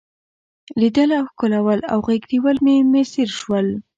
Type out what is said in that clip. لیدل او ښکلول او غیږ نیول مې میسر شول.